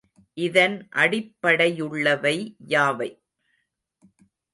இதன் அடிப்படையுள்ளவை யாவை?